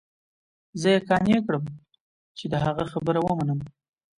زه يې قانع کړم چې د هغه خبره ومنم.